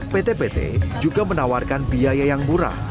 pt pt juga menawarkan biaya yang murah